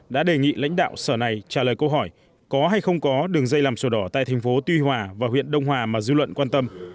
đã đề nghị lãnh đạo sở này trả lời câu hỏi có hay không có đường dây làm sổ đỏ tại thành phố tuy hòa và huyện đông hòa mà dư luận quan tâm